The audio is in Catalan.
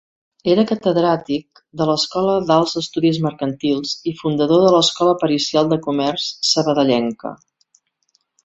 Era catedràtic de l'Escola d'Alts Estudis Mercantils i fundador de l'Escola Pericial de Comerç Sabadellenca.